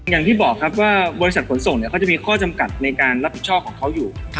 อย่างที่บอกครับว่าบริษัทขนส่งเนี่ยเขาจะมีข้อจำกัดในการรับผิดชอบของเขาอยู่